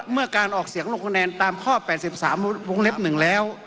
เมื่อการออกเสียงลงคะแนนตามข้อ๘๓วงเล็บ๑แล้ว